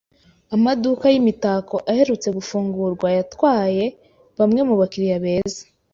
Amaduka yimitako aherutse gufungurwa yatwaye bamwe mubakiriya beza.